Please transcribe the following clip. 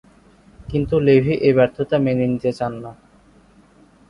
কিন্তু লেভি এ ব্যর্থতা মেনে নিতে চান না।